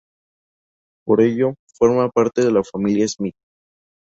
Por ello, forma parte de la familia Smith.